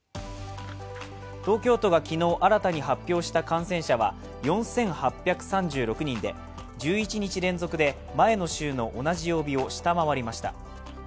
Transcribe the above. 東京都が昨日新たに発表した感染者は４８３６人で１１日連続で前の週の同じ曜日を下回りました。